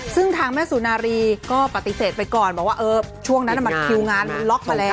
ซึ่งทางแม่สุนารีก็ปฏิเสธไปก่อนบอกว่าช่วงนั้นมันคิวงานมันล็อกมาแล้ว